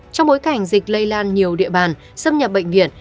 trong bối cảnh dịch lây lan nhiều địa bàn xâm nhập bệnh viện